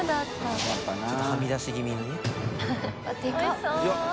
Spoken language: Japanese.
ちょっとはみ出しぎみにね松田）